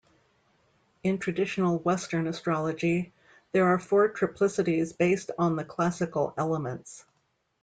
In traditional Western astrology there are four triplicities based on the classical elements.